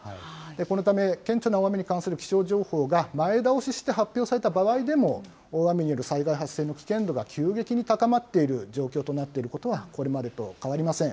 このため、顕著な大雨に関する気象情報が前倒しして発表された場合でも、大雨による災害発生の危険度が急激に高まっている状況となっていることは、これまでと変わりません。